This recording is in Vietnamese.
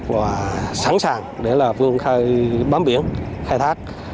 và sẵn sàng để là vương khai bám biển khai thác